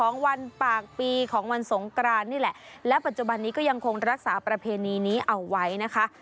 นี่แหละและปัจจุบันนี้ก็ยังคงรักษาประเพณีนี้เอาไว้นะคะ